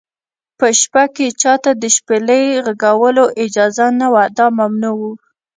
په شپه کې چا ته د شپېلۍ غږولو اجازه نه وه، دا ممنوع و.